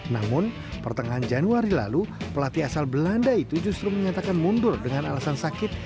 namun pertengahan januari lalu pelatih asal belanda itu justru menyatakan mundur dengan alasan sakit